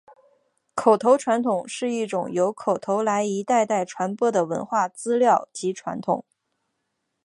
口头传统是一种由口头来一代代传播的文化资料及传统。